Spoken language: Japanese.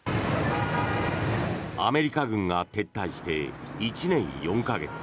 アメリカ軍が撤退して１年４か月。